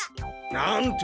なんて？